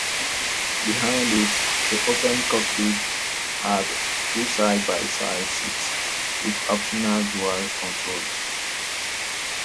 Behind it, the open cockpit had two side-by-side seats, with optional dual controls.